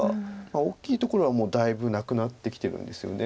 大きいところはもうだいぶなくなってきてるんですよね。